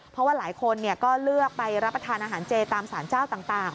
เพราะว่าหลายคนก็เลือกไปรับประทานอาหารเจตามสารเจ้าต่าง